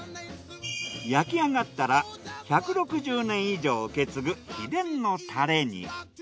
焼き上がったら１６０年以上受け継ぐ秘伝のタレに。